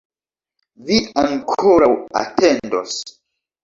Vi ankoraŭ atendos!